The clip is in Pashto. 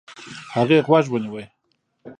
هغې غوږ ونيو.